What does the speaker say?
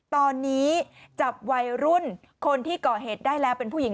ตอนนี้จับวัยรุ่นคนที่ก่อเหตุได้แล้วเป็นผู้หญิง